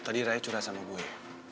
tadi raya curah sama gue